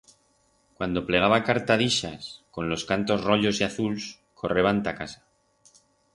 Cuando plegaba carta d'ixas con los cantos royos y azuls, correban ta casa.